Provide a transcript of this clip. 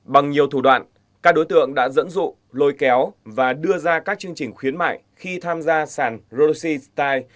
bằng nhiều thủ đoạn các đối tượng đã dẫn dụ lôi kéo và đưa ra các chương trình khuyến mại khi tham gia sàn rossi style